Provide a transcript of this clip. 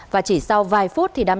và chỉ sau vài phút thì đam mê